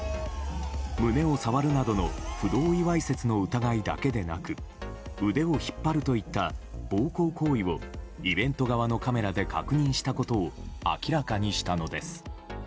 胸を触るなどの不同意わいせつの疑いだけでなく腕を引っ張るといった暴行行為をイベント側のカメラで確認したことを明らかにしたのです。